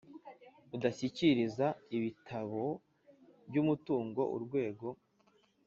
Udashyikiriza ibitabo by umutungo urwego